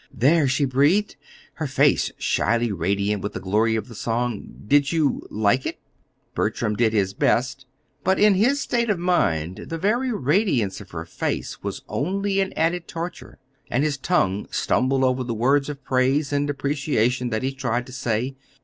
"There!" she breathed, her face shyly radiant with the glory of the song. "Did you like it?" Bertram did his best; but, in his state of mind, the very radiance of her face was only an added torture, and his tongue stumbled over the words of praise and appreciation that he tried to say.